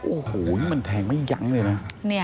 โอ้โหนี่มันแทงไม่ยั้งเลยนะ